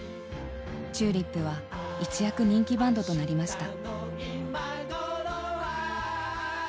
ＴＵＬＩＰは一躍人気バンドとなりました。